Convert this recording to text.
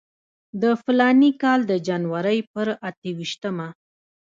د فلاني کال د جنورۍ پر اته ویشتمه.